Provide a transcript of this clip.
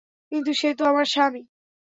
কিন্তু, সে তো আমার স্বামী।